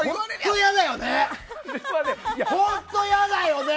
本当、嫌だよね！